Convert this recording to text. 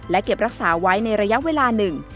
และเก็บรักษาไว้ในระยะเวลาหนึ่ง